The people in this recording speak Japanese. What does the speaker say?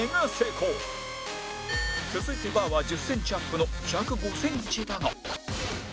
続いてバーは１０センチアップの１０５センチだが